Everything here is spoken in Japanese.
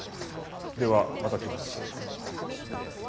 ではまた来ます。